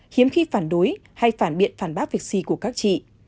khiếm khi phản đối hay phản biện phản bác việc gì của các chị